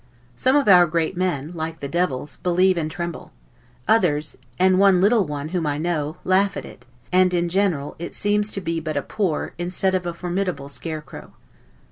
Some of our great men, like the devils, believe and tremble; others, and one little one whom I know, laugh at it; and, in general, it seems to be but a poor, instead of a formidable scarecrow.